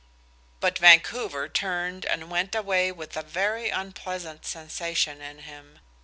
But Vancouver turned and went away with a very unpleasant sensation in, him.